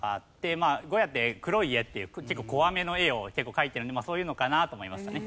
まあゴヤって黒い絵っていう結構怖めの絵を描いてるのでそういうのかなと思いましたね。